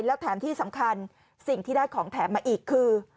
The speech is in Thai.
แล้วแถมที่สำคัญสิ่งที่ได้ของแถมมาอีกคือ